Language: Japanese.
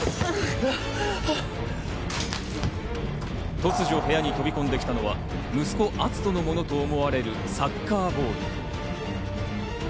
突如、部屋に飛び込んできたのは息子・篤斗のものと思われるサッカーボール。